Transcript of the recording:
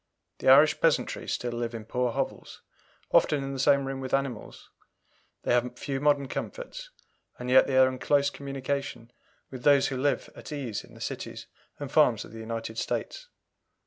The Irish peasantry still live in poor hovels, often in the same room with animals; they have few modern comforts; and yet they are in close communication with those who live at ease in the cities and farms of the United States.